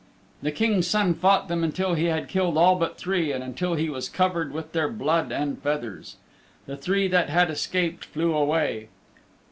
The King's Son fought them until he had killed all but three and until he was covered with their blood and feathers. The three that had escaped flew away.